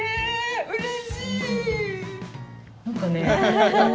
うれしい！